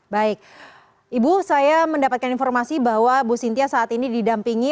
baik ibu saya mendapatkan informasi bahwa ibu sintia saat ini didampingi